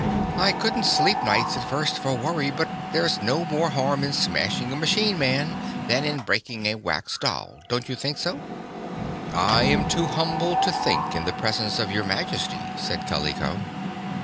I couldn't sleep nights, at first, for worry; but there's no more harm in smashing a machine man than in breaking a wax doll. Don't you think so?" "I am too humble to think in the presence of your Majesty," said Kaliko.